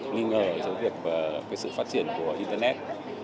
nghi ngờ về sự phát triển của internet